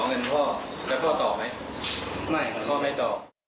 ไม่คอยไม่ต่อ